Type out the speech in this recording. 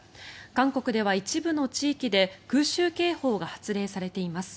韓国では一部の地域で空襲警報が発令されています。